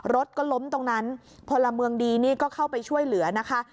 รถก็ล้มตรงนั้นพลเมืองดีนี่ก็เข้าไปช่วยเหลือนะคะ